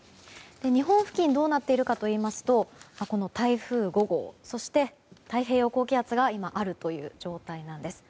日本付近どうなっているかといいますとこの台風５号、そして太平洋高気圧がある状態なんです。